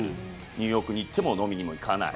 ニューヨークに行っても飲みにも行かない。